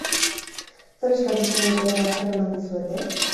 Zer eskatu zenieten eta zer eman dizuete?